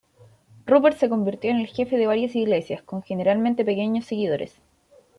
Rupert se convirtió en el jefe de varias iglesias, con generalmente pequeños seguidores.